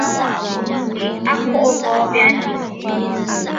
Ǹdè a kɔ̀ŋə̀ bɔɔ bya aa diŋkò.